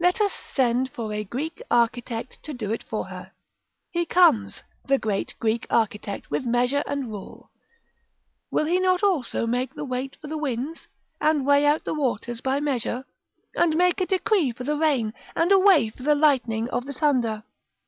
Let us send for a Greek architect to do it for her. He comes the great Greek architect, with measure and rule. Will he not also make the weight for the winds? and weigh out the waters by measure? and make a decree for the rain, and a way for the lightning of the thunder?